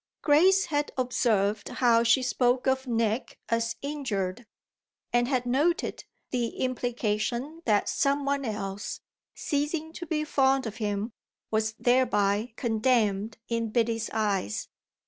Grace had observed how she spoke of Nick as injured, and had noted the implication that some one else, ceasing to be fond of him, was thereby condemned in Biddy's eyes.